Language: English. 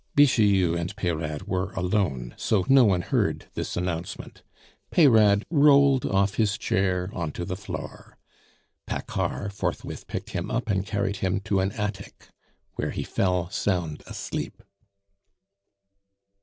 Bixiou and Peyrade were alone, so no one heard this announcement. Peyrade rolled off his chair on to the floor. Paccard forthwith picked him up and carried him to an attic, where he fell sound asleep.